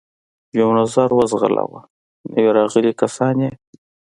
یو نظر و ځغلاوه، نوي راغلي کسان یې.